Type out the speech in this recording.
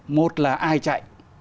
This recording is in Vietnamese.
một là ai chạy